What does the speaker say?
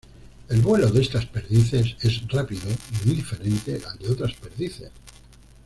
El vuelo de estas perdices es rápido y muy diferente al de otras perdices.